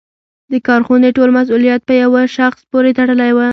د کارخونې ټول مسوولیت په یوه شخص پورې تړلی و.